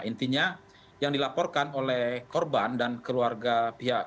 intinya yang dilaporkan oleh korban dan keluarga pihak